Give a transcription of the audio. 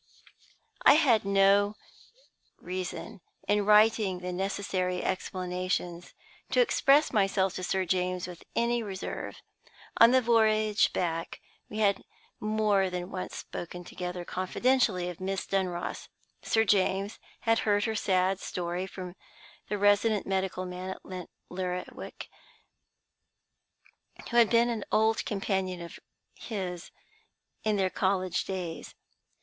I had no reason, in writing the necessary explanations, to express myself to Sir James with any reserve. On the voyage back we had more than once spoken together confidentially of Miss Dunross. Sir James had heard her sad story from the resident medical man at Lerwick, who had been an old companion of his in their college days.